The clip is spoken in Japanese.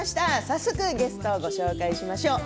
早速ゲストをご紹介しましょう。